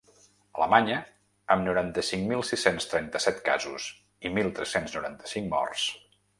Alemanya, amb noranta-cinc mil sis-cents trenta-set casos i mil tres-cents noranta-cinc morts.